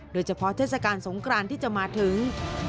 โดยเฉพาะเทศกาลสงครานที่จะมาถึง